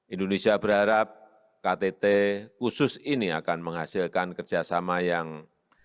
indonesia berharap ktt khusus ini akan menghasilkan kerjasama yang baik